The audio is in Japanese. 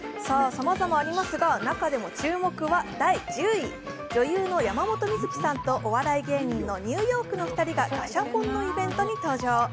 さまざまなありますが、中でも注目は第１０位、女優の山本美月さんとお笑い芸人のニューヨークの２人がガシャポンのイベントに登場。